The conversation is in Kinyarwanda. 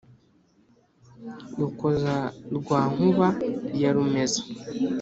rukoza rwa nkuba ya rumeza,